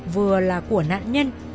vừa là của nạn nhân